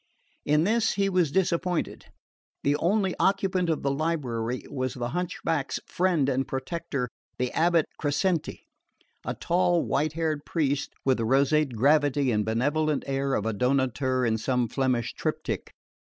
In this he was disappointed. The only occupant of the library was the hunchback's friend and protector, the abate Crescenti, a tall white haired priest with the roseate gravity and benevolent air of a donator in some Flemish triptych.